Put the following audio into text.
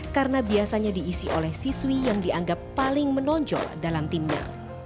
karena biasanya diisi oleh siswi yang dianggap paling menonjol dalam timnya